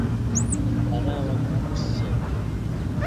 তারা আমাকে খুঁজছে।